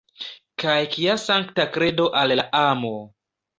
Kaj kia sankta kredo al la amo!